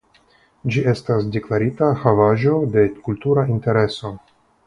Ĝi estis deklartia Havaĵo de Kultura Intereso.